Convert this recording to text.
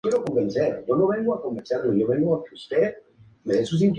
Este es el segundo rescate que se realiza de esta proto-raza.